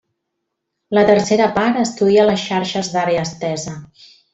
La tercera part estudia les xarxes d'àrea estesa.